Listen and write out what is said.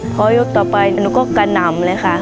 พอยกต่อไปหนูก็กระหน่ำเลยค่ะ